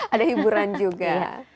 ada hiburan juga